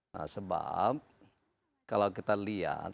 nah sebab kalau kita lihat